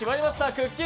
くっきー！